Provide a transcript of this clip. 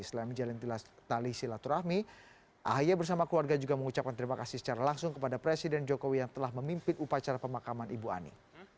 selain menjalin tali silaturahmi ahy bersama keluarga juga mengucapkan terima kasih secara langsung kepada presiden jokowi yang telah memimpin upacara pemakaman ibu ani